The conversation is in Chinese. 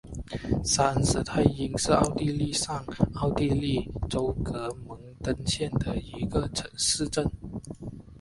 沙恩施泰因是奥地利上奥地利州格蒙登县的一个市镇。